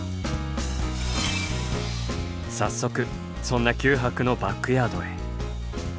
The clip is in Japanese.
早速そんな九博のバックヤードへ。